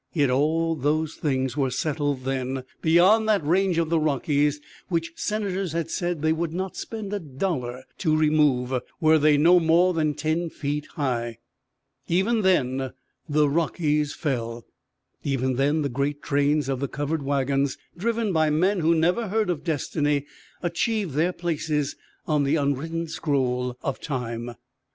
Yet all those things were settled then, beyond that range of the Rockies which senators had said they would not spend a dollar to remove, "were they no more than ten feet high." Even then the Rockies fell. Even then the great trains of the covered wagons, driven by men who never heard of Destiny, achieved their places on the unwritten scroll of Time.